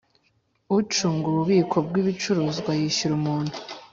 Ucunga ububiko bw ibicuruzwa yishyura umuntu